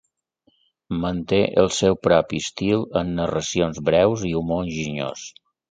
Manté el seu propi estil amb narracions breus i humor enginyós.